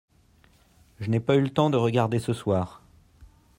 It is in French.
je n'ai pas eu le temps de regarder ce soir.